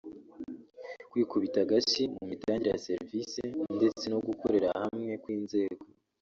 Kwikubita agashyi mu mitangire ya serisi ndetse no gukorera hamwe kw’inzego